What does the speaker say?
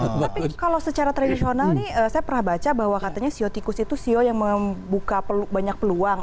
tapi kalau secara tradisional nih saya pernah baca bahwa katanya siotikus itu sio yang membuka banyak peluang